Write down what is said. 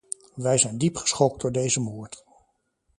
Wij zijn diep geschokt door deze moord.